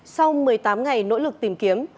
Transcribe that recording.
sau một mươi tám ngày nỗ lực tìm kiếm